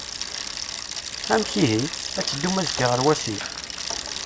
Amek ihi? Ad teddum azekka ɣer wasif?